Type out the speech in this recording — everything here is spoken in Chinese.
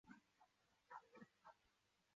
中山堂是用以纪念孙文而常见的建筑名称。